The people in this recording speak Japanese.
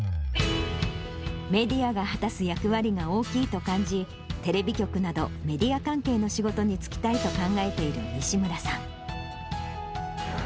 メディアが果たす役割が大きいと感じ、テレビ局など、メディア関係の仕事に就きたいと考えている西村さん。